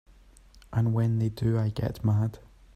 And when they do I get mad.